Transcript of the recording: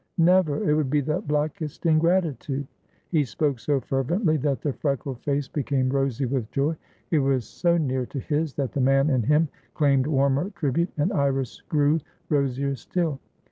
Never! It would be the blackest ingratitude!" He spoke so fervently that the freckled face became rosy with joy. It was so near to his, that the man in him claimed warmer tribute, and Iris grew rosier still.